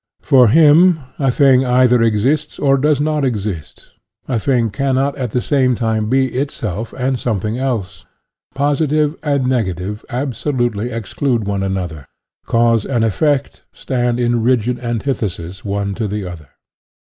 For him a thing either exists or does not exist; a thing cannot at the same time be itself and something else. Positive and negative absolutely exclude one another; cause and effect stand in a rigid antithesis one to the other.